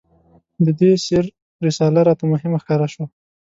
د دې سیر رساله راته مهمه ښکاره شوه.